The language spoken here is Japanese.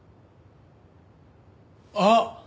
あっ！